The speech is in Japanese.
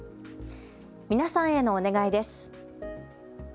皆さんへのお願いです。